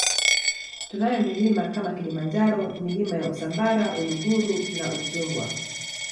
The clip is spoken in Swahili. Tunayo milima kama Kilimanjaro Milima ya Usambara Uluguru na Udzungwa